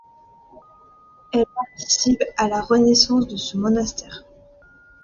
Elle participe à la renaissance de ce monastère.